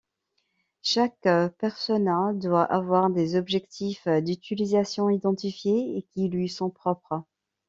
Chaque persona doit avoir des objectifs d’utilisation identifiés et qui lui sont propres.